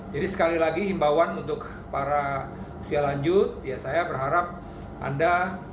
jadi sekali lagi imbauan untuk para usia lanjut ya saya berharap anda